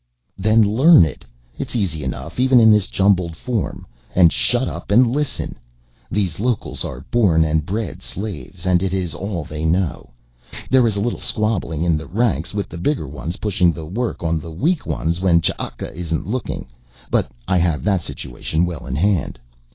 "Then learn it. It's easy enough even in this jumbled form. And shut up and listen. These locals are born and bred slaves and it is all they know. There is a little squabbling in the ranks with the bigger ones pushing the work on the weak ones when Ch'aka isn't looking, but I have that situation well in hand.